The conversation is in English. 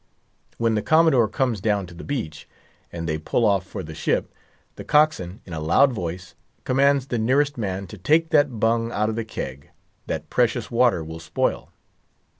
When the Commodore comes down to the beach, and they pull off for the ship, the cockswain, in a loud voice, commands the nearest man to take that bung out of the keg—that precious water will spoil.